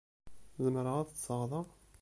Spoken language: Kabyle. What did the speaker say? Zemreɣ ad ṭṭseɣ da?